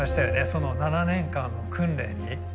その７年間の訓練に。